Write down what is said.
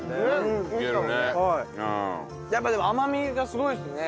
やっぱでも甘みがすごいですね。